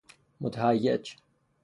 متهیج